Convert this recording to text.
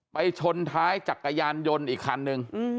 ไปชนท้ายจักรยานยนต์อีกครั้งหนึ่ง